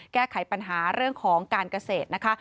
แก้ไขปัญหาเรื่องของการเกษตรนะคะ